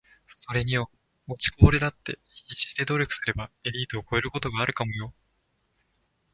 ｢それによ……落ちこぼれだって必死で努力すりゃエリートを超えることがあるかもよ｣